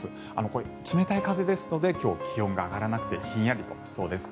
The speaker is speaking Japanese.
これ、冷たい風ですので今日、気温が上がらなくてひんやりとしそうです。